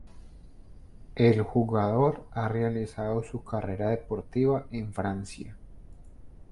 El jugador ha realizado su carrera deportiva en Francia.